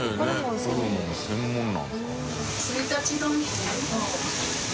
佑ホルモン専門なんですかね。